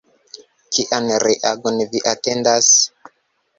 Kian reagon vi atendas?